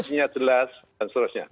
hasilnya jelas dan seterusnya